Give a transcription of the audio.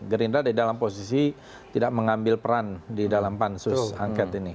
gerindra di dalam posisi tidak mengambil peran di dalam pansus angket ini